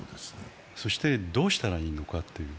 そして、どうしたらいいのかと。